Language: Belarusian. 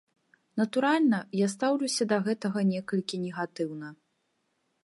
Натуральна, я стаўлюся да гэтага некалькі негатыўна.